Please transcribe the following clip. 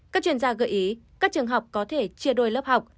các chuyên gia gợi ý các trường học có thể chia đôi lớp học